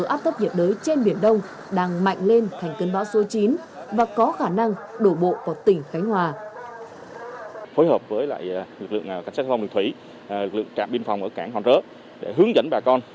áp thấp nhiệt đới đang tiến vào bờ và có thể mạnh lên thành bão